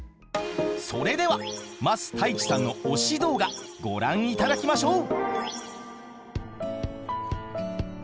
それでは桝太一さんの推し動画ご覧いただきましょう！